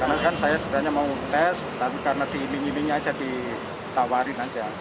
karena kan saya sebenarnya mau tes tapi karena di iming imingnya aja ditawarin aja